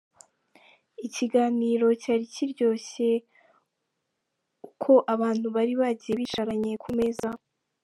Ikiganiro cyari kiryoshye uko abantu bari bagiye bicaranye ku meza.